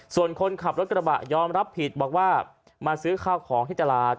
ส่วนคนขับรถกระบะยอมรับผิดบอกว่ามาซื้อข้าวของที่ตลาด